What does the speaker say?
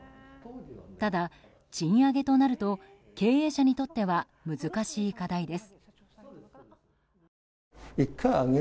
ただ、賃上げとなると経営者にとっては難しい課題です。